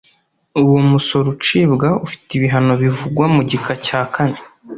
uwo musoro ucibwa ufite ibihano bivugwa mu gika cya kane